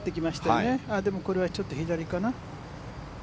ああ、でもこれはちょっと左かな。